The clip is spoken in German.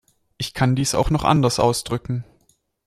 Ich kann dies auch noch anders ausdrücken.